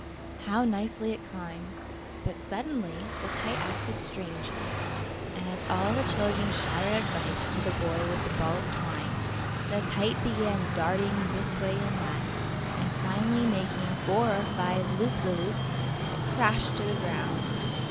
How nicely it climbed! But suddenly the kite acted strangely, and as all the children shouted advice to the boy with the ball of twine, the kite began darting this way and that, and finally making four or five loop the loops, it crashed to the ground.